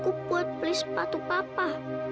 aku buat beli sepatu papa